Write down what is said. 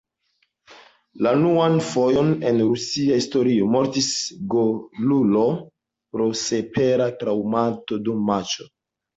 La unuan fojon en rusia historio mortis golulo pro senpera traŭmato dum matĉo.